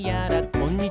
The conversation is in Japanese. こんにちは！